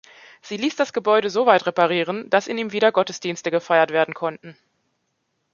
Sie ließ das Gebäude soweit reparieren, dass in ihm wieder Gottesdienste gefeiert werden konnten.